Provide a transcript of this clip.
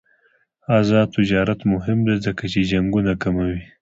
آزاد تجارت مهم دی ځکه چې جنګونه کموي.